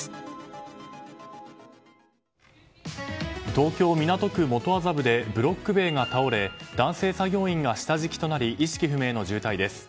東京・港区元麻布でブロック塀が倒れ男性作業員が下敷きとなり意識不明の重体です。